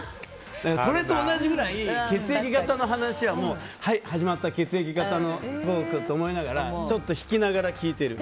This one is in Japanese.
それと同じぐらい血液型の話ってはい、始まった血液型のトークと思ってちょっと引きながら聞いてる。